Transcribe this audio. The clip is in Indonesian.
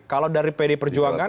kalau dari pd perjuangan